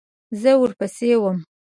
زه ورپسې وم .